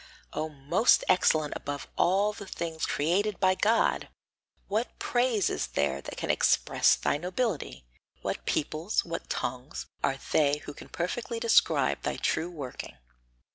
O most excellent above all the things created by God! What praise is there which can express thy nobility? What peoples, what tongues, are they who can perfectly describe thy true working?